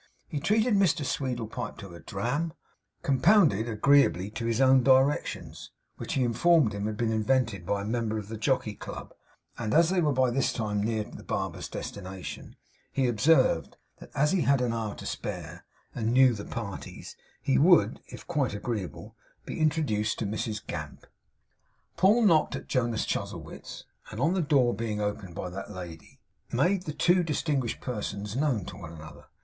He treated Mr Sweedlepipe to a dram, compounded agreeably to his own directions, which he informed him had been invented by a member of the Jockey Club; and, as they were by this time near the barber's destination, he observed that, as he had an hour to spare, and knew the parties, he would, if quite agreeable, be introduced to Mrs Gamp. Paul knocked at Jonas Chuzzlewit's; and, on the door being opened by that lady, made the two distinguished persons known to one another.